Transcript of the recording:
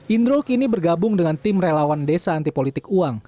indro kini bergabung dengan tim relawan desa antipolitik uang